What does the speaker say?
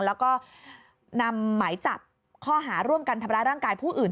แล้วก็นำหมายจับข้อหาร่วมกันทำร้ายร่างกายผู้อื่น